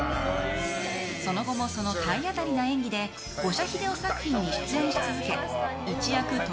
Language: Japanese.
その後もその体当たりな演技で五社英雄作品に出演し続け